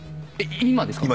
今ですか？